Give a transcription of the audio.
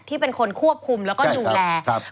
ที่เป็นคนควบคุมแล้วก็ดูแล